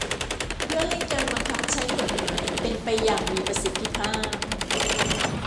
เพื่อให้การบังคับใช้กฎหมายเป็นไปอย่างมีประสิทธิภาพ